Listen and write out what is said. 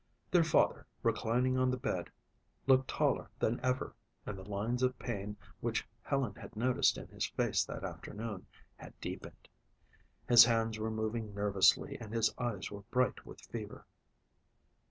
Their father, reclining on the bed, looked taller than ever, and the lines of pain which Helen had noticed in his face that afternoon had deepened. His hands were moving nervously and his eyes were bright with fever.